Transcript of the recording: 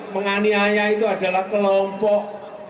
menganiaya itu adalah kelompok